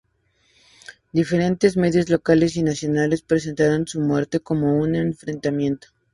Diferentes medios locales y nacionales presentaron su muerte como un enfrentamiento.